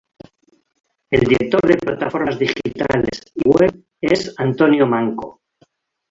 El director de plataformas digitales y web es Antonio Manco.